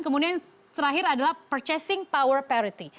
kemudian terakhir adalah purchasing power parity